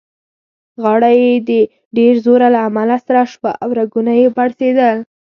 غاړه يې د ډېر زوره له امله سره شوه او رګونه يې پړسېدل.